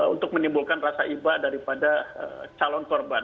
untuk menimbulkan rasa iba daripada calon korban